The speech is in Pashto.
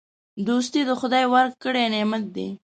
دوستي د خدای ورکړی نعمت دی.